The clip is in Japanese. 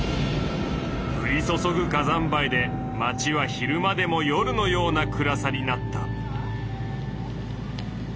ふり注ぐ火山灰で街は昼間でも夜のような暗さになった。